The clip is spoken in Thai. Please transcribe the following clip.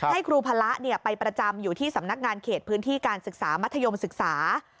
ให้ครูพระไปประจำอยู่ที่สำนักงานเขตพื้นที่การศึกษามัธยมศึกษา